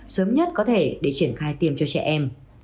sớm nhất có thể để triển khai tiêm cho trẻ em